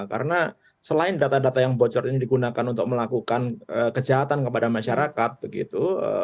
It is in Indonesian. karena selain data data yang bocor ini digunakan untuk melakukan kejahatan kepada masyarakat begitu